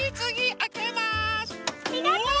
ありがとう。